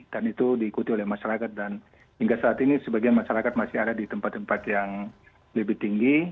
dan itu diikuti oleh masyarakat dan hingga saat ini sebagian masyarakat masih ada di tempat tempat yang lebih tinggi